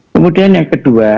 kemudian yang kedua